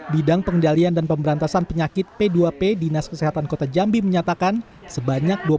bidang pengendalian dan pemberantasan penyakit p dua p dinas kesehatan kota jambi menyatakan sebanyak